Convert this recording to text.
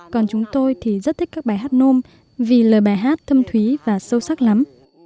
còn chúng tôi thì rất thích các bài hát nôm vì lời bài hát thâm thúy và sâu sắc lắm